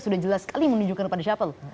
sudah jelas sekali menunjukkan kepada siapa loh